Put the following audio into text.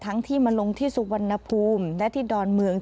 ที่มาลงที่สุวรรณภูมิและที่ดอนเมือง